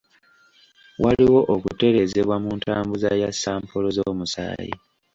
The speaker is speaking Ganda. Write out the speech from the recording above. Waliwo okutereezebwa mu ntambuza ya sampolo z'omusaayi.